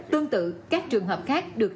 tương tự các trường hợp khác được